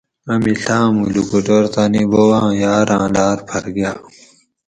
امی ڷا آۤمو لوکوٹور تانی بوباں یاراۤں لاۤر پھر گاۤ